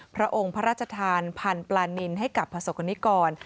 พระองค์พระราชทานพันธุ์ปลานินให้กับประสบกรณิกร